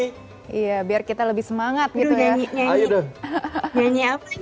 iya biar kita lebih semangat gitu nyanyinya